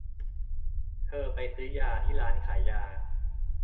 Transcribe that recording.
เธอไปซื้อยาที่ร้านขายยา